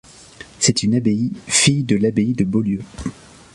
C'est une abbaye fille de l'abbaye de Beaulieu.